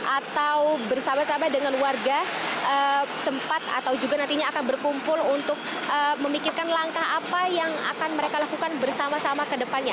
atau bersama sama dengan warga sempat atau juga nantinya akan berkumpul untuk memikirkan langkah apa yang akan mereka lakukan bersama sama ke depannya